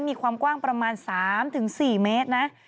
มีความกว้างประมาณ๓๔เมตรนะ